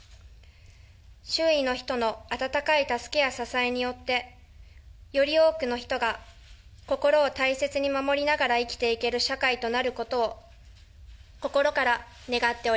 周囲の人の温かい助けや支えによって、より多くの人が心を大切に守りながら生きていける社会となること